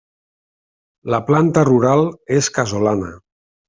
La planta rural és casolana.